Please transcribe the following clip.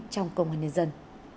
trong công an nhân dân